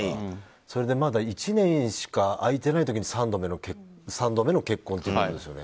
それで、まだ１年しか空いていない時に３度目の結婚ということですよね。